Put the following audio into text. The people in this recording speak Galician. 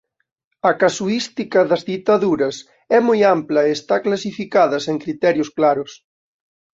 A casuística das ditaduras é moi ampla e está clasificada sen criterios claros.